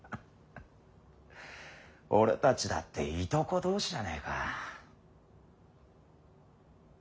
俺たちだっていとこ同士じゃねえか。